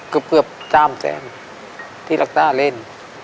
เกือบสามแสนที่รักษาเล่น